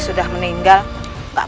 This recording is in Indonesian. tuhan yang terbaik